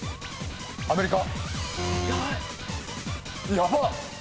アメリカ。